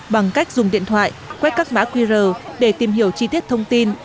bằng cách dùng điện thoại quét các mã qr để tìm hiểu chi tiết thông tin